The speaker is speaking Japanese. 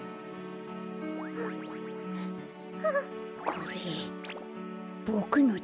これボクのだ。